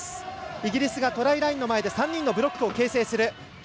イギリスがトライラインの前で３人のブロックを形成する。